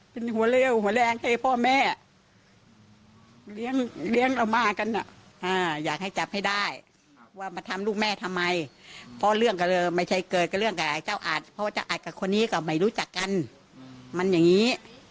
เป็นหัวเลวหัวแรงใจพ่อแม่เลี้ยงเรามากันอยากให้จับให้ได้ว่ามาทำลูกแม่ทำไมเพราะเรื่องก็เลยไม่ใช่เกิดกับเรื่องกับไอ้เจ้าอัดเพราะว่าเจ้าอัดกับคนนี้ก็ไม่รู้จักกันมันอย่างนี้